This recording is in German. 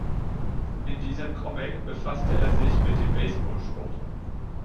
In diesem Comic befasste er sich mit dem Baseball-Sport.